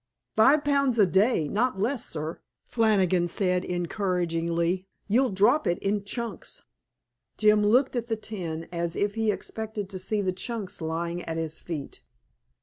"Five pounds a day; not less, sir," Flannigan said encouragingly. "You'll drop it in chunks." Jim looked at the tin as if he expected to see the chunks lying at his feet.